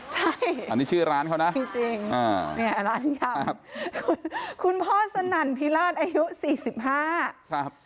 ใช่ใช่ร้านครับละคุณพ่อสนั่นพิราณอายุ๔๕ครับ